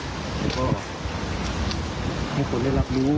แล้วก็ให้คนได้รับรู้